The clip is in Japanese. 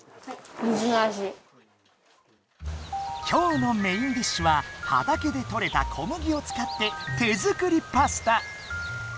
今日のメインディッシュは畑でとれた小麦をつかって手作りパスタ！